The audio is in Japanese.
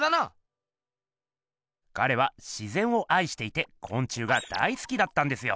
ガレは「自ぜん」をあいしていてこん虫が大すきだったんですよ。